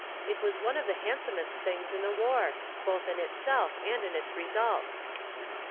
It was one of the handsomest things in the war, both in itself and in its results.